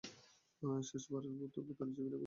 শেষবারের মতো বোতলের ছিপিটা খোলা যাক?